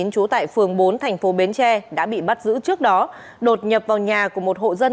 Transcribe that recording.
trú tại phường bốn thành phố bến tre đã bị bắt giữ trước đó đột nhập vào nhà của một hộ dân